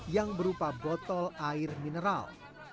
yang berupa botol air mineral